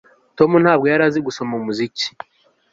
Tom ntabwo yari azi gusoma umuziki